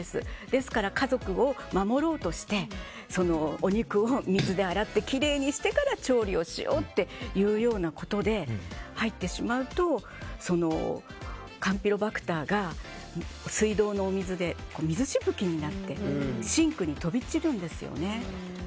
ですから、家族を守ろうとしてお肉を水で洗ってきれいにしてから調理をしようということで入ってしまうとカンピロバクターが水道のお水で水しぶきになってシンクに飛び散るんですよね。